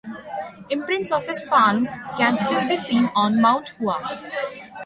Imprints of his palm can still be seen on Mount Hua.